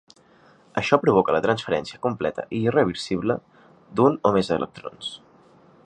Això provoca la transferència completa i irreversible de un o més electrons.